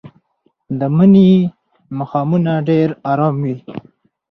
د مني ماښامونه ډېر ارام وي